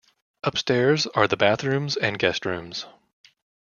Upstairs are the bedrooms and guestrooms.